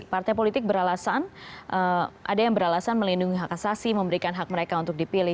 partai politik beralasan ada yang beralasan melindungi hak asasi memberikan hak mereka untuk dipilih